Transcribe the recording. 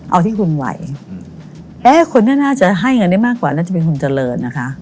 เอาที่คุณไหวเอ๊ะคนนี้น่าจะให้เงินได้มากกว่าน่าจะเป็นคุณเจริญนะคะ